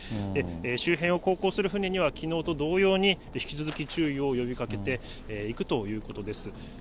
周辺を航行する船には、きのうと同様に、引き続き注意を呼びかけていくということです。